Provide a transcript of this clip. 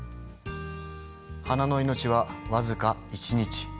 花の命は僅か１日。